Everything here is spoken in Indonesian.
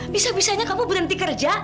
bisa bisanya kamu berhenti kerja